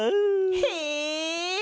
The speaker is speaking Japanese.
へえ！